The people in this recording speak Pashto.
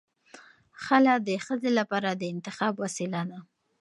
خلع د ښځې لپاره د انتخاب وسیله ده.